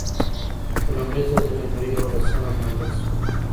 په لومړي ځل د جنورۍ یولسمه نمانځل شوه.